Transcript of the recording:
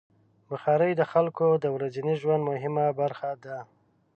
بخاري د خلکو د ورځني ژوند مهمه برخه ده.